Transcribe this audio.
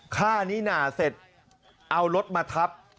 ฆ่านิน่าเสร็จเอารถมาทับ